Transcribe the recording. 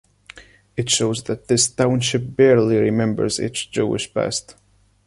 It shows that this township barely remembers its Jewish past.